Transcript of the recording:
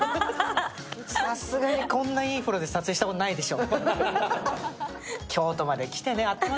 さすがに、こんないい風呂で撮影したことないでしょ